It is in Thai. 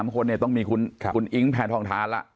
๓คนต้องมีคุณอิงแผนทองทานล่ะ